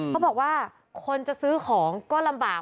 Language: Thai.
เขาบอกว่าคนจะซื้อของก็ลำบาก